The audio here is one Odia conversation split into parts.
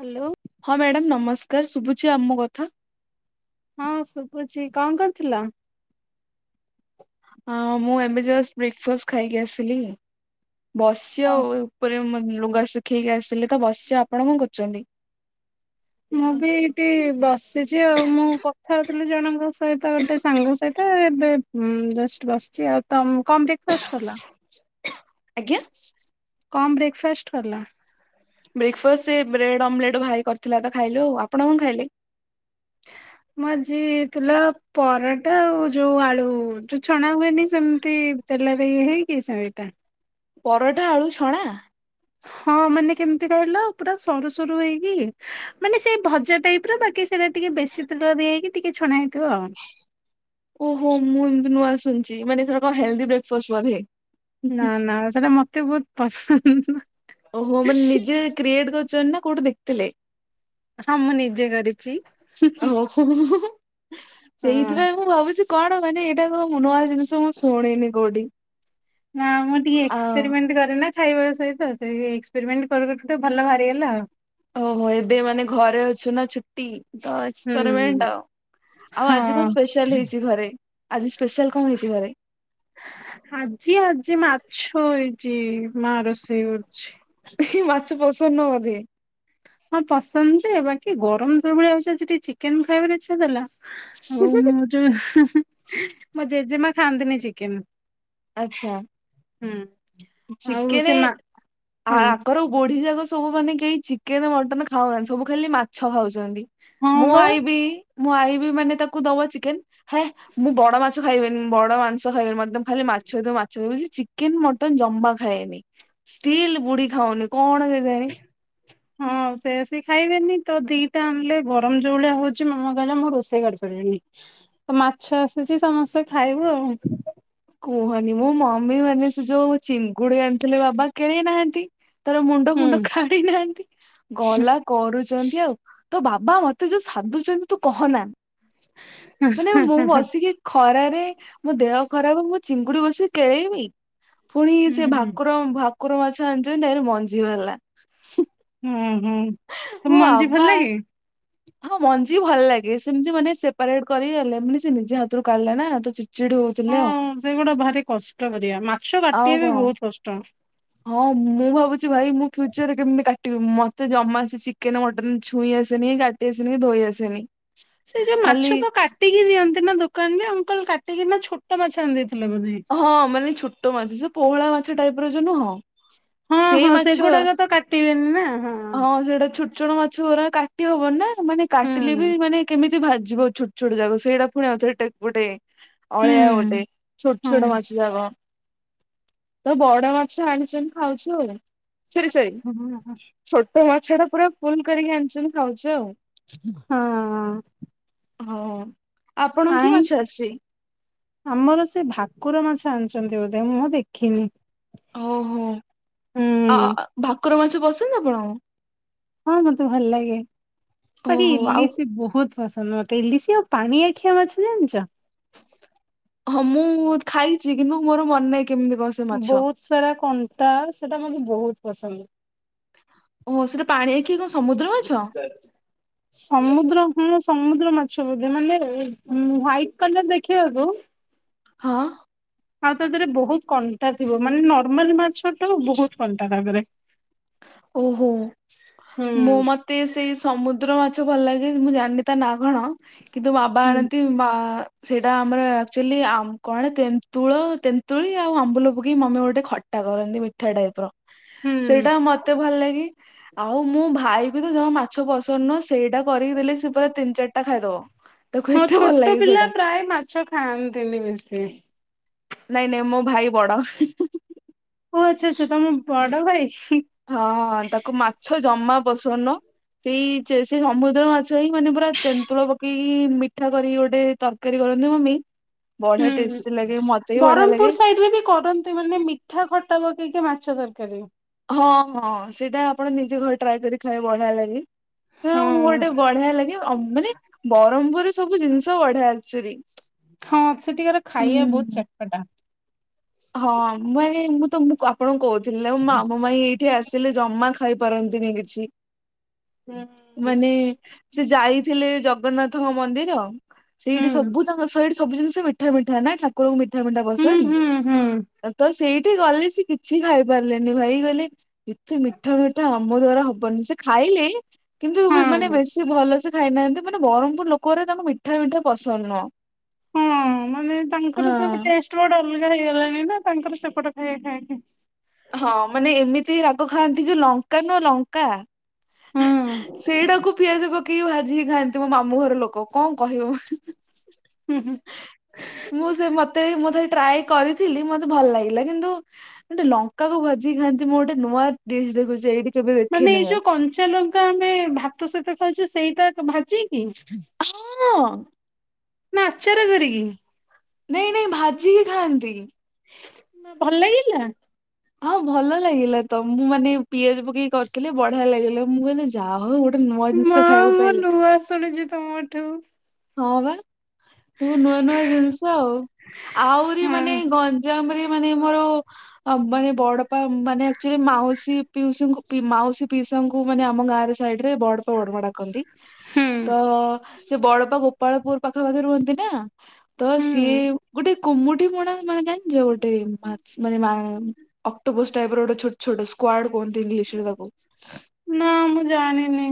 ହ୍ୟାଲୋ। ହଁ ମ୍ୟାଡାମ ନମସ୍କାର ଶୁଭୁଛି ଆମ କଥା। ହଁ ଶୁଭୁଛି କଣ କରିଥିଲ? ହଁ ମୁଁ ଏବେ ଜଷ୍ଟ ବ୍ରେକଫାଷ୍ଟ ଖାଇକି ଆସିଲି। ବସ୍ୟ ହଁ ଉପରେ ମୋ ଲୁଗା ଶୁଖେଇକି ଆସିଲେ ତ ବସ୍ୟ ଆପଣ କଣ କରୁଛନ୍ତି? ମୁଁ ବି ଏଇଠି ବସିଚି ଆଉ ମୁଁ କଥା ହଉଥିଲି ଜଣଙ୍କ ସହିତ ଗୋଟେ ସାଙ୍ଗ ସହିତ ଏବେ ହୁଁ ଜଷ୍ଟ ବସିଚି ଆଉ ତମ କଣ ବ୍ରେକ୍ଫାଷ୍ଟ କଲ? ଆଜ୍ଞା। କଣ ବ୍ରେକ୍ ଫାଷ୍ଟ କଲ? ବ୍ରେକଫାଷ୍ଟ ଏ ବ୍ରେଡ ଆମଲେଟ୍ ଭାଇ କରିଥିଲା ତ ଖାଇଲୁ। ଆଉ ଆପଣ କଣ ଖାଇଲେ? ମୁଁ ଆଜି ହେଇଥିଲା ପରଟା ଆଉ ଯୋଉ ଆଳୁ ଚୁ ଛଣା ହୁଏନି ସେମିତି ତେଲରେ ଇଏ ହେଇକି ସେଇଟା। ପରଟା ଆଳୁ ଛଣା। ହଁ ମାନେ କେମିତି କହିଲ ପୁରା ସରୁ ସରୁ ହେଇକି ମାନେ ସେଇ ଭଜା ଟାଇପର ବାକି ସେଟା ଟିକେ ବେଶୀ ତେଲ ଦିଆ ହେଇକି ଟିକେ ଛଣା ହେଇଥିବ ଆଉ। ଓହୋ ମୁଁ ଏମତି ନୂଆ ଶୁନଚି ମାନେ ସେଟା କଣ ହେଲଦି ବ୍ରେକଫାଷ୍ଟ ବଧେ। ନା ନା ସେଟା ମତେ ବହୁତ ପସନ୍ଦ। ଓହୋ ମାନେ ନିଜେ କ୍ରିଏଟ କରୁଛନ୍ତି ନା କୋଉଠି ଦେଖ ହଁ ମୁଁ ନିଜେ କରିଚି ହୁଁ ହୁଁ। [unintelligible] ସେଇଥିପାଇଁ ମୁଁ ଭାବୁଚି କଣ ମାନେ ଏଇଟା ମୁ ନୂଆ ଜିନିଷ ମୁଁ ଶୁଣିନି କୋଉଠି। ନା ମୁଁ ଟିକେ ଆଉ ଏକ୍ସପେରିମେଣ୍ଟ କରେ ନା ଖାଇବା ସହିତ ସେ ଏକ୍ସପେରିମେଣ୍ଟ କରୁ [unintelligible] ତ ଭଲ ବାହାରିଗଲା ଆଉ। ଓହୋ ଏବେ ମାନେ ଘରେ ଅଛୁ ନା ଛୁଟି ତ ହୁଁ। ଏକ୍ସପେରିମେଣ୍ଟ ଆଉ। ଆଉ ଆଜି କଣ ହଁ ସ୍ପେଶାଲ ହେଇଚି ଘରେ ଆଜି ସ୍ପେଶାଲ କନ ହେଇଚି ଘରେ? ଆଜି ଆଜି ମାଛ ହେଇଚି ମା ରୋଷେଇ କରୁଚି। ମାଛ ପସନ୍ଦ ନୁହ ବୋଧେ? ହଁ ପସନ୍ଦ ଯେ ବାକି ଗରମ ଯୋଉ ଭଳିଆ ହଉଚି ଆଜି ଟିକେ ଚିକେନ ଖାଇବାର ଇଛା ଥିଲା। ମୁଁ ମୁଁ ଯୋଉ ମୋ ଜେଜେମା ଖାଆନ୍ତିନି ଚିକେନ। ଆଚ୍ଛା। ହୁଁ। ଚିକେନେ ଆ ହଁ ଆଗୁରୁ ବୁଢ଼ୀ ଯାକ ସବୁ ମାନେ କେହି ଚିକେନ ମଟନ ଖାଉନାହାନ୍ତି ସବୁ ଖାଲି ମାଛ ଖାଉଛନ୍ତି ହଁ ମୋ ବା। ଆଇ ବି ମୁଁ ଆଇ ବି ମାନେ ତାକୁ ଦବ ଚିକେନ ହେ ମୁଁ ବଡ ମାଛ ଖାଇବିନି ବଡ ମାଂସ ଖାଇବିନି ମତେ ଖାଲି ମାଛ ଦିଅ ମାଛ ଦିଅ ବୁ [inaudible] ଚିକେନ ମ ଟନ ଜମା ଖାଏନି ଷ୍ଟିଲ୍ ବୁଢୀ ଖାଉନି କଣ ଦେବେ? [unintelligible] ହଁ ସେ ସି ଖାଇବେନି ତ ଦିଟା ଆଣିଲେ ଗରମ ଯୋଉ ଭଳିଆ ହଉଛି ମାମା କହିଲା ମୁଁ ରୋଷେଇ କରି ପାରିବିନି। ତ ମାଛ ଆସିଛି ସମସ୍ତେ ଖାଇବୁ ଆଉ। କୁହନି ମୋ ମମି ମାନେ ସେ ଯୋଉ ଚିଙ୍ଗୁଡି ଆଣିଥିଲେ ବାବା କେଳେଇ ନାହାନ୍ତି। ତାର ମୁଣ୍ଡ ଫୁଣ୍ଡ କାଢି ନାହାନ୍ତି ଗଲା କରୁଛନ୍ତି ଆଉ। ତୋ ବାବା ମତେ ଯୋଉ ସାଦୁଚନ୍ତି ତୁ କହନା ହୁଁ ମାନେ ମୁଁ ବସିକି ଖରାରେ ମୋ ଦେହ ଖରାପ ମୁଁ ଚିଙ୍ଗୁଡି ବସିକି କେଳେଇମି। ପୁଣି ସେ ଭାକୁର ଭାକୁର ମାଛ ଆଣିଚନ୍ତି ଦେହରେ ମଞ୍ଜିି ବାହାରିଲା। ହୁଁ ହୁଁ ମୋ [inaudible] ମଞ୍ଜି ଭଲ ବାବା ଲାଗେ। ହଁ ମଞ୍ଜିି ଭଲ ଲାଗେ ସେମିତି ମାନେ ସେପାରେଟ୍ କରି ହେଲେବି ସେ ନିଜେ ହାତରୁ କାଢିଲା ନା ତୁ ଚି ହଁ ସେଗୁଡା ଭାରି କଷ୍ଟ କାରିଆ ମାଛ ଆଉ ବାଟିବା କଣ? ବି ବହୁତ୍ କଷ୍ଟ। ହଁ ମୁଁ ଭାବୁଛି ଭାଇ ମୁଁ ଫ୍ୟୁଚରରେ କେମିତି କାଟିବି ମତେ ଜମା ଚିକେନ ମଟନ ଛୁଇଁ ଆସେନି କା ସେ ସିନି ଧୋଇ ଆସେନି। ସେଇ ଯୋଉ ଖାଲି ମାଛ ତ କାଟ୍ କାଟିକି ଦିଅନ୍ତି ନା ଦୋକାନ ରେ ଅଙ୍କଲ କାଟିକି ନା ଛୋଟ ମାଛ ଆଣି ଦେଇଥିଲେ ବୋଧେ। ହଁ ମାନେ ଛୋଟ ମାଛ ପୋହୁଳା ମାଛ ଟାଇପ ର ଯୋଉ ନୁହଁ? ହଁ ସେ ହଁ ମାଛ ସେଗୁଡାକ ତ କାଟିବେନି ନା ହଁ ସେଟା ଛୁ [inaudible] ମାଛରା କାଟି ହବନି ନା ମାନେ କାଟିଲେ ବି ହୁଁ ମାନେ କେମିତି ଭାଜିବ ଛୋଟ ଛୋଟ ଯାକ ସେଇଟା ପୁଣି ଆଉଥରେ ଟେକ୍ ଗୋଟେ ଅଳିଆ ଗୋଟେ। ହୁଁ। ଛୋଟ ହଁ ଛୋଟ ଟ ମାଛ ଯାଗ ତ ବଡ ମାଛ ଆଣିଚନ୍ତି ଖାଉଛୁ। ସରି ସରି ହଁ ଛୋଟ ମାଛ ଟା ପୁରା ଫୁଲ୍ କରିକି ଆଣିଚନ୍ତି ଖାଉଚୁ ଆଉ। ହଁ। ହଁ ଆପଣ କି ଆଇଁ ମାଛ ଆସିଛି? ଆମର ସେ ଭାକୁର ମାଛ ଆଣିଚନ୍ତି ବୋଧେ ମୁଁ ଦେଖିନି। ଓହୋ ହୁଁ ଆ ଭାକୁର ମାଛ ପସନ୍ଦନା ଆପଣଙ୍କୁ। ହଁ ମତେ ଭଲ ଲାଗେ ବାକି ଓହୋ ଆଉ ଇଲିସି ବହୁତ୍ ପସନ୍ଦ ମତେ ଇଲିଶ ଆଉ ପାଣି ଆଖିଆ ମାଛ ଜାଣିଚ? ହଁ ମୁଁ ଖାଇଛି କିନ୍ତୁ ମୋର ମନେ କେମିତି କ ବହୁତ୍ ସାରା କଣ୍ଟା ସେଟା ମତେ ବହୁତ୍ ପସନ୍ଦ। ଓ ସେଟା ପାଣି ଆଖିଆ କଣ ସମୁଦ୍ର ମାଛ? ସମୁଦ୍ର ହୁଁ ସମୁଦ୍ର ମାଛ ବୋଧେ ମାନେ ଉଁ ହୁୱାଟି କଲର ଦେଖିବାକୁ। ହଁ। ହଁ ତା ଦେହରେ ବହୁତ୍ କଣ୍ଟା ଥିବ ମାନେ ନର୍ମାଲି ମାଛଟୁ ବହୁତ୍ କଣ୍ଟା ତା ଦେହର। ଓହୋ ହୁଁ ମୋ ମ ତେ ସେଇ ସମୁଦ୍ର ମାଛ ଭଲ ଲାଗେ ମୁଁ ଜାଣିନି ତା ନା କଣ କିନ୍ତୁ ବାବା ହୁଁ ଆଣନ୍ତି। ବା। ସେଇଟା ଆମର ଆକ୍ଚୁଆଲି ଆମ୍ କଣ ତେନ୍ତୁଳ ତେନ୍ତୁଳି ଆଉ ଆମ୍ବୁଲ ପକେଇ ମମି ଗୋଟେ ଖଟ ଖଟା କରନ୍ତି ମିଠା ଟାଇପ୍ ର। ହୁଁ ସେଇଟା ମତେ ଭଲ ଲାଗେ ଆଉ ମୁଁ ଭାଇ କୁ ତ ଜମା ମାଛ ପସନ୍ଦ ନୁହଁ ସେଇଟା କରିକି ଦେଲେ ସେ ପୁରା ତିନ୍ ଚିରିଟା ଖାଇଦବ ତାକୁ ଏତେ ଭଲ ଲାଗେ ସେଇଟା। ଖାଆନ୍ତି ନି ବେଶୀ। ନାଇଁ ନାଇଁ ମୋ ଭାଇ ବଡ। ଓ ଆଚ୍ଛା ଆଚ୍ଛା ତମ ବଡ ଭାଇ। ହଁଁ ତାକୁ ମାଛ ଜମା ପସନ୍ଦ ନୁହଁ। ସେଇ ସେ ସମୁଦ୍ର ମାଛ ହିଁ ମାନେ ପୁରା ତେନ୍ତୁଳ ପକେଇକି ମିଠା କରିକି ଗୋଟେ ତ ତରକାରି କରନ୍ତି ମମି। ବଢିଆ ହୁଁ, ଟେଷ୍ଟି ଲାଗେ ମତେ ବି ବଢିଆ ଲାଗେ। ବରହମପୁର ସାଇଟ୍ ରେ ବି କରନ୍ତି ମାନେ ମିଠା ଖଟା ପକେଇ କି ମାଛ ତରକାରୀ। ହଁ ହଁ ସେଇଟା ଆପଣ ନିଜେ ଘରେ ଟ୍ରାଏ କରି ଖାଇବେ ବଢିଆ ଲାଗେ। ହଁ ହଁଁ ଗୋଟେ ବଢିଆ ଲାଗେ ଅ ମାନେ ବରହମପୁରରେ ସବୁ ଜିନିଷ ତ ବଢିଆ ଆକ୍ଚୁଆଲି ତ ହଁ ସେଠିକାର ଖାଇବା ବହୁତ ଚଟପଟା। ହଁ ମୁଁ ଆଗେ ମୁଁ ତମ ଆପଣଙ୍କୁ କହୁଥିଲି ନା ମାମୁଁ ମାଇଁ ଏଠିକି ଆସିଲେ ଜମା ଖାଇପାରନ୍ତିନି କିଛି, ହୁଁ। ମାନେ ସେ ଯାଇଥିଲେ ଜଗନ୍ନାଥଙ୍କ ମନ୍ଦିର, ହୁଁ ସେଇଠି ସବୁ ତାଙ୍କ ସେଠି ସବୁ ଜିନିଷ ମି ମିଠା, ମିଠା ନା ଠାକୁରଙ୍କୁ ମିଠା, ମିଠା ହୁଁ ପସନ୍ଦ। ହୁଁ ହୁଁ। ତ ସେଇଠି ଗଲେ ସେ କିଛି ଖାଇ ପାରିଲେନି, ଭାଇ ଗଲେ ଏତେ ମିଠା, ମିଠା ଆମ ଦ୍ଵାରା ହବନି, ସେ ଖାଇଲେ, କିନ୍ତୁ ମାନେ ହଁ। ବେଶୀ ଭଲ ସେ ଖାଇନାହାନ୍ତି, ମାନେ ବ୍ରହ୍ମପୁର ଲୋକଗୁରା ତାକୁ ମିଠା, ମିଠା ପସନ୍ଦ ନୁହଁ। ହଁ ମାନେ ତାଙ୍କର ସବୁ ହଁ ଟେଷ୍ଟ ବଡ ଅଲଗା ହେଇଗଲାଣି ନା, ତାଙ୍କର ସେପଟ ଖାଇ ଖାଇବା। ହଁ ମାନେ ଏମିତି ରାଗ ଖାଆନ୍ତି ଯେ, ଲଙ୍କା ନୁହଁ ଲଙ୍କା। ହୁଁ ସେଇଡାକୁ ପିଆଜ ପକେ କି ଭାଜି କି ଖାଆନ୍ତି ମୋ ମାମୁଁ ଘର ଲୋକ କଣ କହିବୁ। ହୁଁ। ମୁଁ ସେ ମତେ ମୋତେ ଟ୍ରାଏ କରିଥିଲି, ମତେ ଭଲ ଲାଗିଲା କିନ୍ତୁ ଗୋଟେ ଲଙ୍କାକୁ ଭାଜିିକି ଖାଆନ୍ତି, ମୁଁ ଗୋଟେ ନୂଆ ଡିସ୍ ଦେଖୁଚି ଏଇଠି। କେବେ ମାନେ ଦେଖିନି ଏଇ ମୁଁ। ଯୋଉ କଞ୍ଚା ଲଙ୍କା ଆମେ ଭାତ ସହିତ ଖାଉଛୁ ସେଇଟା ଭାଜିକି? ହଁ ନା, ଆଚାର କରିକି? ନାଇଁ, ନାଇଁ ଭାଜି କି ଖାଆନ୍ତି। ଭଲ ଲାଗିଲା? ହଁ ଭଲ ଲାଗିଲା ତ, ମୁଁ ମାନେ ପିଆଜ ପକେଇ କି କରିଥିଲେ, ବଢିଆ ଲାଗିଲା ମୁଁ କହିଲି ଯାହା ହଉ ଗୋଟେ ନୂଆ ମା ଜିନିଷ ଖାଇବାକୁ ମୁଁ ପାଇଲେ, ନୂଆ ଶୁଣୁଛି ତମଠୁ ହଁ ବା ସବୁ ନୂଆ, ନୂଆ ଜିନିଷ ଆଉ ଆହୁରି ମାନେ, ହଁ ଗଞ୍ଜାମ ରେ ମାନେ ମୋର ଆମପାଇଁ ବଡପା, ମାନେ ଆକ୍ଚୂଆଲି ମାଉସୀ, ପିଉସିଙ୍କୁ, ମାଉସୀ, ପିଇସାଙ୍କୁ ମାନେ ଆମ ଗାଁରେ ସାଇଡରେ ବଡପା, ବଡମା ଡାକନ୍ତି ହୁଁ ତ ସେ ବଡପା, ଗୋପାଳପୁର ପାଖା ପାାଖି ରୁହନ୍ତି ନା, ତ ସିଏ ହୁଁ। ଗୋଟେ କୁମୁଟିି ପଣା ମାନେ ଜାଣିଛ ଗୋଟେମାଚ ମା ଅକ୍ଟୋପସ୍ ଟାଇପ୍ ର ଗୋଟେ ଛୋଟ ଛୋଟ ସ୍କ୍ୱାର୍ଡ କୁହନ୍ତି ଇଂଲିଶ ରେ ତାକୁ। ନା ମୁଁ ଜାଣିନି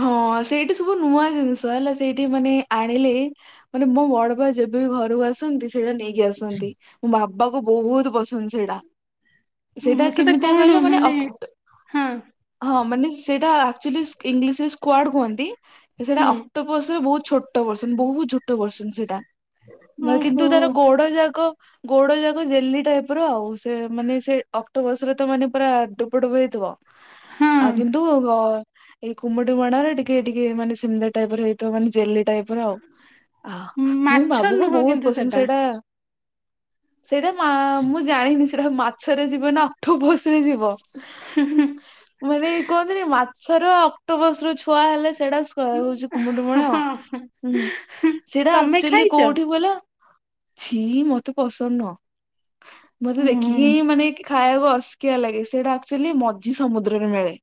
ହଁ ସେଇଠି ସବୁ ନୂଆ ଜିନିଷ ହେଲା, ସେଇଠି ମାନେ ଆଣିଲେ ମାନେ ମୋ ବଡପା ଯେବେ ବିି ଘରକୁ ଆସନ୍ତି ସେଇଟା ନେଇ କି ଆସନ୍ତି ମୋ ବାପାଙ୍କୁ ବହୁତ୍ ପସନ୍ଦ ସେଇଡା। ସେଇଟା ଓହୋ ସେଟା କେମିତିଆ କଣ କହିଲ ମାନେ ଅକ୍ ହଁ ହଁ ମାନେ ସେଇଟା ଆକ୍ଚୁ ଲି ଇଂଲିଶରେ ସ୍କ୍ୱାଡ କୁହନ୍ତି। ସେଟା ହୁଁ ଅ ଛୋଟ ବୟସରେ ବହୁତ୍ ଛୋଟ ପର୍ସନ ବହୁତ୍ ଛୋଟ ପର୍ସନ ସେଟା। ବାକି ଓହୋ କିନ୍ତୁ ତାର ଗୋଡ ଯାକ ଗୋଡ ଯାକ ଜେଲି ଟାଇପର ଆଉ। ସେ ମାନେ ସେ ଅକ୍ଟୋପସରେ ତ ମାନେ ପୁରା ଟୁପୁ ଟୁପୁ ହେଇଥିବ। ଆ ହଁ। କିନ୍ତୁ ଗ ଏ କୁମୁଟୁ ମାଡ଼ରେ ଟିକେ ଟିକେ ମାନେ ସେମିତି ଟାଇପର ହେଇଥିବ ମାନେ ଜେଲି ଟାଇପର ଅଉ। ମୁଁ ମାଛ ବାବୁକୁ ନୁହଁ ବହୁତ କିନ୍ତୁ ପସନ୍ଦ ସେଟା ସେଇଟା ସେଇଟା ମା ମୁଁ ଜାଣିନି ସେଇଟା ମାଛରେ ଯିବ ନା ଅକ୍ ଠୁ ଭୋସରେ ଯିବ ମାନେ କୁହନ୍ତିନି ମା ଛାର ଅକ୍ଟୋପସର ଛୁଆ ହେଲେ ସେଟା ହୁଁ ହଁ ସେଇଟା ତମେ ଆକ୍ଚ୍ୟୁଆଲି ଖାଇଛ? କୋଉଠି କହିଲ? ଛି ମତେ ପସନ୍ଦ ନୁହଁ। ମତେ ଦେଖିକି ହୁଁ। ମାନେ ଖାଇବାକୁ ଅସକିଆ ଲାଗେ, ସେଇଟା ଆକ୍ଚୁଆଲି ମଝି ସମୁଦ୍ରରୁ ମିଳେ।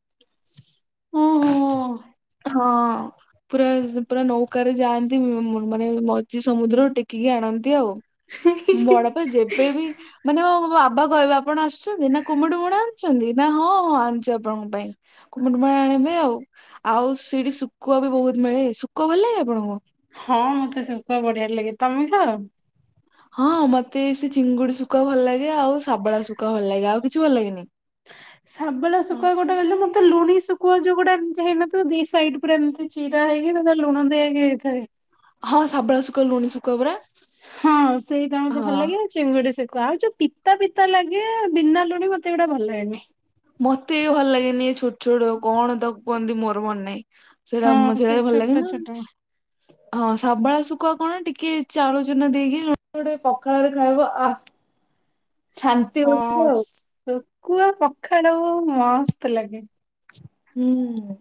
ହୁଁ ହୁଁ ହୁଁ। ହଁ ପୁରା ପୁରା ନୌକାରେ ଯାଆନ୍ତି ମାନେ ମଝି ସମୁଦ୍ର ଟେକିକି ଆଣନ୍ତି ଆଉ। ମୋ ବଡପା ଯେବେବି ମାନେ ବାବା କହିବେ ଆପଣ ଆସିଛନ୍ତି? ନା କୁମୁଟୁ ବଣ ଆଣିଛନ୍ତି ନା ହଁ ଆଣିଛି ଆପଣଙ୍କ ପାଇଁ କୁମୁଟୁ ବାଣ ଆଣିବେ ଆଉ। ଆଉ ସେଠି ଶୁକୁଆ ବି ବହୁତ୍ ମିଳେ ଶୁକଆ ଭଲ ଲାଗେ ଆପଣଙ୍କୁ? ହଁ ମତେ ଶୁକୁଆ ବଢିଆ ଲାଗେ। ତମେ ଖାଅ? ହଁ ମତେ ସେ ଚିଙ୍ଗୁଡି ଶୁକୁଆ ଭଲଲାଗେ ଆଉ ଶାବଳା ଶୁକୁଆ ଭଲଲାଗେ ଆଉ କିଛି ଭଲ ଲାଗେନି। ଶାବେଳା ହଁ ଶୁଖୁଆ ଗୋ ତାହେଲେ ମତେ ଲୁଣି ଶୁଖୁଆ ଯୋଉଗୁଡା ଏମିତି ହେଇନଥିବ ଦି ସାଇଡ୍ ପୁରା ଏମିତି ଚିରା ହେଇକି ତା ଦେହରେ ଲୁଣ ଦିଆ ହେଇକି ହେଇଥାଏ। ହଁ ଶାବଳା ଶୁଖୁଆ ଲୁଣି ଶୁ ହଁ ସେଇଟା ମତେ ଭଲ ହଁ। ଲାଗେ। ଚିଙ୍ଗୁଡି ଶୁଖୁଆ ଆଉ ଯୋଉ ପିତା ପିତା ଲାଗେ ବିନା ଲୁଣି ମତେ ଏଗୁଡା ଭଲ ଲାଗେନି। ମତେ ବି ଭଲ ଲାଗେନି ଏ ଛୋଟ ଛୋଟ କଣ ତାକୁ କୁହନ୍ତି ମୋର ମନେ ନାହିଁ। ସେଇଟା ମ ହଁ ସେ ସେଇଟା ବି ଭଲ ଛୋଟ ଲାଗେ ନା। [inaudible] ହଁ ଶାବଳା ଶୁଖୁଆ କଣ ଟିକେ ଚାଉଳ ଚୁନା ଦେଇକି ଗୋଟେ ପଖାଳରେ ଖାଇବ ଆ। ହଁ ଶୁକୁଆ ପଖାଳ ମସ୍ତ ଲାଗେ। ହୁଁ।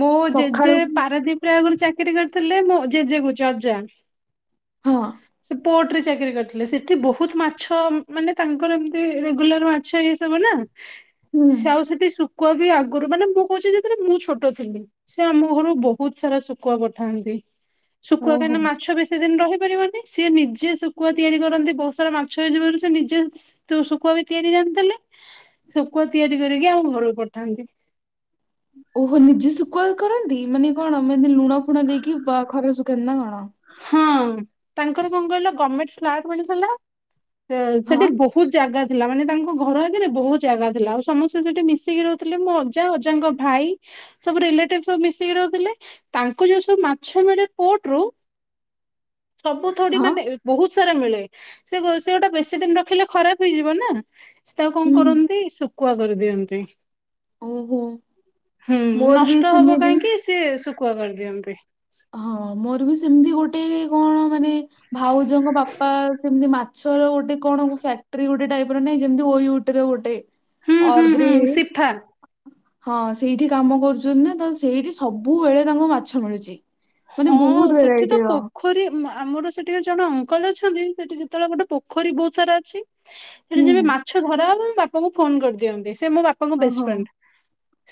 ମୋ ଜେଜେ ପଖାଳକୁ ପାରାଦୀପରେ ଆଗରୁ ଚାକିରି କରିଥିଲେ। ମୋ ଜେଜେ କହୁଛି ଅଜା ହଁ। ସେ ପୋର୍ଟରେ ଚାକିରି କରିଥିଲେ ସେଠି ବହୁତ୍ ମାଛ ମାନେ ତାଙ୍କର ଏମିତି ରେଗୁଲାର୍ ମାଛ ଇଏ ସବୁ ନା ହୁଁ ସେ ଆଉ ସେଠି ଶୁଖୁଆ ବି ଆଗରୁ ମାନେ ମୁଁ କହୁଛି ଯେତେବେଳେ ମୁଁ ଛୋଟଥିଲି। ସେ ଆମ ଘରୁ ବହୁତ୍ ସାରା ଶୁକୁଆ ପଠାନ୍ତି ଶୁକୁଆ ଓହୋ। କାହିଁକିନା ମାଛ ବେଶୀ ଦିନ ରହିପାରିବନି। ସିଏ ନିଜେ ଶୁକୁଆ ତିଆରି କରନ୍ତି ବହୁତ୍ ସାରା ମାଛ ହେଇଯିବାରୁ ସେ ନିଜେ ତୁ ଶୁକୁଆବି ତିଆରି ଜାଣିଥିଲେ ଶୁଖୁଆ ତିଆରି କରିକି ଆମ ଘରକୁ ପଠାନ୍ତି। ଓହୋ ନିଜେ ଶୁକୁଆ କରନ୍ତି ମାନେ କଣ ମାନେ ଲୁଣ ଫୁଣ ଦେଇକି ବା ଖରାରେ ଶୁଖାନ୍ତି ନା କଣ? ହଁ ତାଙ୍କର କଣ କହିଲ ଗମେଣ୍ଟ ଫ୍ଟା ମିଳିଥିଲା। ତ ସେଠେ ହଁ ବହୁତ୍ ଜାଗା। ଥିଲା ମାନେ ତାଙ୍କ ଘରଆଗରେ ବହୁତ୍ ଜାଗା ଥିଲା ଆଉ ସମସ୍ତେ ସେଠି ମିଶିକି ରହୁଥିଲେ ମୋ ଅଜା ଅଜାଙ୍କ ଭାଇ। ସବୁ ରିଲେଟିଭ୍ ସବୁ ମିଶିକି ରହୁଥିଲେ ତାଙ୍କୁ ଯୋଉ ସବୁ ମାଛ ମିଳେ ପୋଟରୁ। ସବୁଥେଡି ହଁ ମାନେ ଇ। ବହୁତ୍ ସାରା ମିଳେ ସେ ସେଗୁଡା ବେଶୀ ଦିନ ରଖିଲେ ଖରାପ୍ ହେଇଯିବ ନା। ସେୟାକୁ କଣ ହୁଁ। କରନ୍ତି ଶୁଖୁଆ କରିଦିଅନ୍ତି। ଓହୋ। ହୁଁ ମୋର ବି ନଷ୍ଟ ହବ ସେମିତି। କାହିଁକି ସିଏ ଶୁଖୁଆ କରିଦିଅନ୍ତି। ହଁ ମୋର ବି ସେମିତି ଗୋଟେ କଣ ମାନେ? ଭାଉଜଙ୍କ ବାପା ସେମିତି ମାଛର ଗୋଟେ କଣ ଫ୍ୟାକ୍ଟ୍ରି ଗୋଟେ ଟାଇପିର ନାହିଁ ଯେମତି ଓୟ। ଟରେ ଗୋଟେ ହୁଁ ହୁଁ ହୁଁ ଅର୍ଧରେ ସିଫା [unintelligible] ହଁ ସେଇଠି କାମ କରୁଛନ୍ତିନା ତ ସେଇଠି ସବୁବେଳେ ତାଙ୍କୁ ମାଛ ମିଳୁଛି। ମାନେ ହଁ ବହୁତ୍ ସେଠି ତ ଭେରାଇଟି ର। ପୋଖରୀ ଆମର ସେଠି ଜଣେ ଅଙ୍କଲ ଅଛନ୍ତି ସେଠି ଯେତେବେଳେ ଗୋଟେ ପୋଖରୀ ବହୁତ୍ ସାରା ଅଛି। ସେଠି ହୁଁ ଯବେ ମାଛ ଧରାହବ ବାପାଙ୍କୁ ଫୋନ କରିଦିଅନ୍ତି ସେ ମୋ ବାପା। ବାପାଙ୍କ ଓହୋ। ବେଷ୍ଟେଫ୍ରେଣ୍ଡ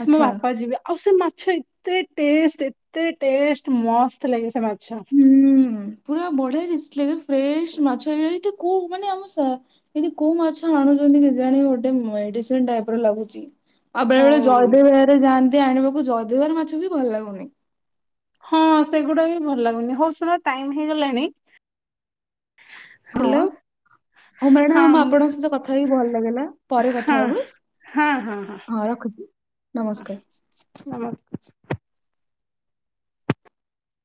ସେ ମୋ ଆଚ୍ଛା ବାପାଯିବେ ଆଉ ସେ ମାଛ ଏତେ ଟେଷ୍ଟେ ଏ। ଏତେ ଟଷ୍ଟେ ମସ୍ତ ଲାଗେ ସେମାଛ। ହୁଁ ପୁରା ବଢିଆ ରିକ୍ସ ଲାଗେ ଫ୍ରେଶ ମାଛଇ ଏଟା କଉ ମାନେ ଆମ। ଏମିତି କୋଉ ମାଛ ଆଣୁଛନ୍ତି କେଜାଣି ଗୋଟେ ମେଡିସିନ ଟାଇପ ର ଲାଗୁଛି। ଆଉ ବେଳେ ବେଳେ ହଁ। ଜୟଦେବବିହାର ରେ ଯାଆନ୍ତି ଆଣିବାକୁ ଜୟଦେବବିହାର ମାଛ ବି ଭଲ ଲାଗୁନି। ହଁ ସେଗୁଡା ବି ଭଲ ଲାଗୁନି ହଉ ଶୁଣ ଟାଇମ୍ ହେଇଗଲାଣି। ହଁ ହ୍ୟାଲୋ। ହଉ ହଁ ମ୍ୟାଡାମ ଆପଣଙ୍କ ସହିତ କଥା ହେଇକି ଭଲ ଲାଗିଲା ପରେ କଥା ହଁ ହବୁ। ହଁ ହଁ ହଁ। ନମସ୍କାର। ନମସ୍କାର।